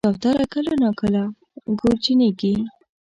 کوتره کله ناکله ګورجنیږي.